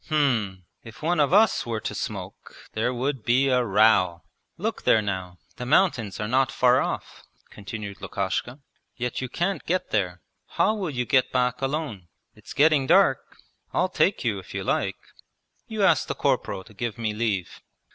'H'm, if one of us were to smoke there would be a row! Look there now, the mountains are not far off,' continued Lukashka, 'yet you can't get there! How will you get back alone? It's getting dark. I'll take you, if you like. You ask the corporal to give me leave.'